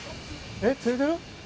えっ釣れてる？